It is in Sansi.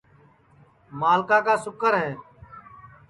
ملکا کا سُکر ہے